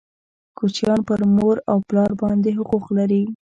کوچنیان پر مور او پلار باندي حقوق لري